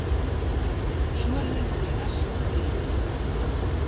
Šoreiz tie esot divi.